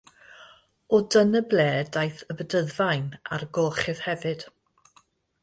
O dyna ble daeth y bedyddfaen a'r gorchudd hefyd.